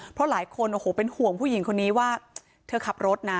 เพราะหลายคนโอ้โหเป็นห่วงผู้หญิงคนนี้ว่าเธอขับรถนะ